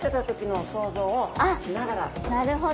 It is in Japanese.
なるほど。